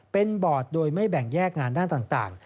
เป็นบอร์ดโดยไม่แบ่งแยกงานด้านต่าง